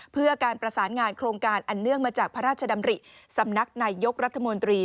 เพื่อการประสานงานโครงการอันเนื่องมาจากพระราชดำริสำนักนายยกรัฐมนตรี